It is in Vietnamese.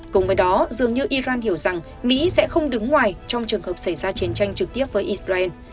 cùng với đó dường như iran hiểu rằng mỹ sẽ không đứng ngoài trong trường hợp xảy ra chiến tranh trực tiếp với israel